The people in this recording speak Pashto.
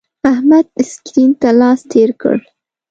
احمد سکرین ته لاس تیر کړ.